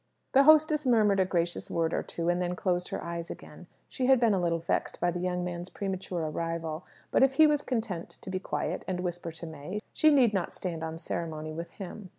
The hostess murmured a gracious word or two and then closed her eyes again. She had been a little vexed by the young man's premature arrival; but if he was content to be quiet, and whisper to May, she need not stand on ceremony with him.